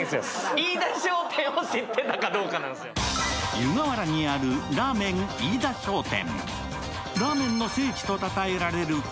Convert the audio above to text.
湯河原にあるらぁ麺飯田商店。